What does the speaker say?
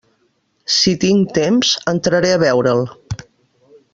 Si tinc temps, entraré a veure'l.